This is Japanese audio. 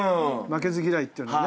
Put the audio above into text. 負けず嫌いっていうのはね。